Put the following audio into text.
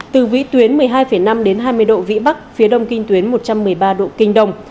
từ vĩ tuyến một mươi hai năm đến hai mươi độ vĩ bắc phía đông kinh tuyến một trăm một mươi ba độ kinh đông